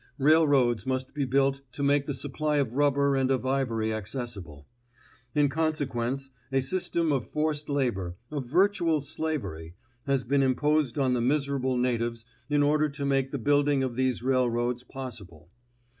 Railroads must be built to make the supply of rubber and of ivory accessible. In consequence, a system of forced labor, of virtual slavery, has been imposed on the miserable natives in order to make the building of these railroads possible.